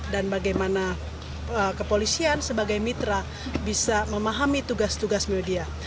dan bagaimana kepolisian sebagai mitra bisa memahami tugas tugas media